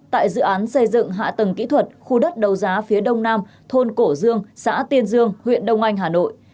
tại dự án xây dựng hạ tầng kỹ thuật khu đất đầu giá phía đông nam thôn cổ dương xã tiên dương huyện đông anh hà nội